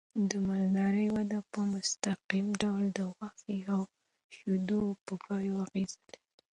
د مالدارۍ وده په مستقیم ډول د غوښې او شیدو په بیو اغېز لري.